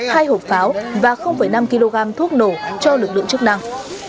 hai hộp pháo và năm kg thuốc nổ cho lực lượng chức năng